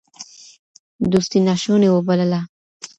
دوستي ناشوني وبلله